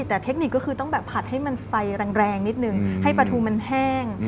แต่เทคนิคก็คือต้องแบบผัดให้มันไฟแรงนิดนึงให้ปลาทูมันแห้ง